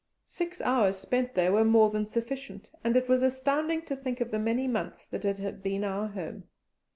Six hours spent there were more than sufficient, and it was astounding to think of the many months that it had been our home.